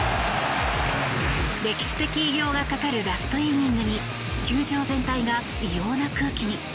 歴史的偉業がかかるラストイニングに球場全体が異様な空気に。